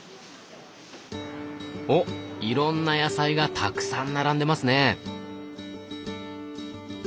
おっいろんな野菜がたくさん並んでますね。